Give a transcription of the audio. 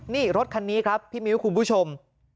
นี่รถคันนี้ครับพี่มิ้วคุณผู้ชม